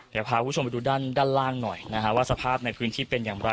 เดี๋ยวพาคุณผู้ชมไปดูด้านล่างหน่อยนะฮะว่าสภาพในพื้นที่เป็นอย่างไร